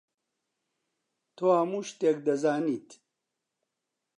تۆ هەموو شتێک دەزانیت.